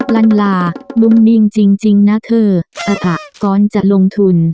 ลันลามุมนิ่งจริงนะเธออภะก่อนจะลงทุน